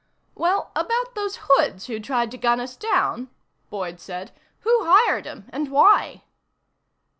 "Well, about those hoods who tried to gun us down," Boyd said. "Who hired 'em? And why?"